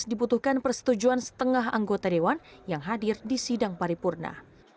dibutuhkan persetujuan setengah anggota dewan yang hadir di sidang paripurna